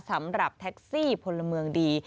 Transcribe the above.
สำหรับแท็กซี่พลเมืองดี